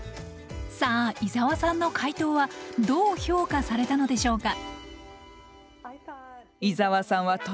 さあ伊沢さんの解答はどう評価されたのでしょうか？